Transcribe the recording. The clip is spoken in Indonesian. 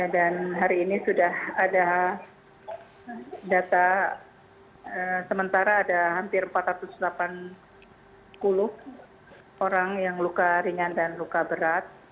dan hari ini sudah ada data sementara ada hampir empat ratus delapan puluh orang yang luka ringan dan luka berat